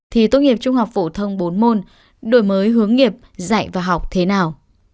thì tốt nghiệp trung học phổ thông bốn môn đổi mới hướng nghiệp dạy và học thế nào